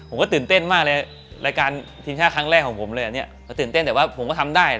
ผมก็ตื่นเต้นมากเลยรายการทีมชาติครั้งแรกของผมเลยอันนี้เขาตื่นเต้นแต่ว่าผมก็ทำได้